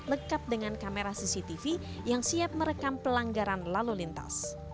lekat dengan kamera cctv yang siap merekam pelanggaran lalu lintas